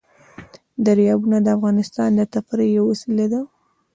دریابونه د افغانانو د تفریح یوه وسیله ده.